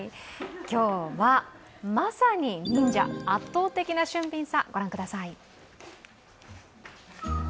今日は、まさに忍者圧倒的な俊敏さ御覧ください。